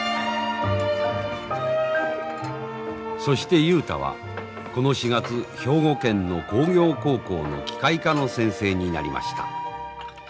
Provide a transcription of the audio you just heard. そして雄太はこの４月兵庫県の工業高校の機械科の先生になりました。